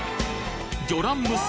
魚卵娘